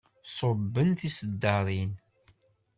Ṣubben tiseddaṛin.